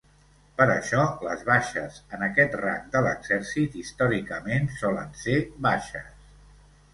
Per això les baixes en aquest rang de l’exèrcit, històricament, solen ser baixes.